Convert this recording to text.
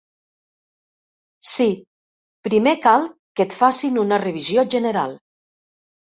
Sí, primer cal que et facin una revisió general.